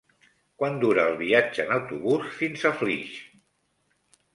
Quant dura el viatge en autobús fins a Flix?